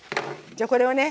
じゃあこれをね